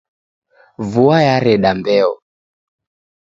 Vua yareda mbeo.